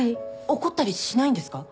怒ったりしないんですか？